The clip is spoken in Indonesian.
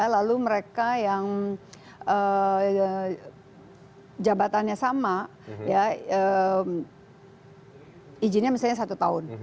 lalu mereka yang jabatannya sama ya izinnya misalnya satu tahun